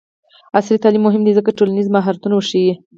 عصري تعلیم مهم دی ځکه چې ټولنیز مهارتونه ورښيي.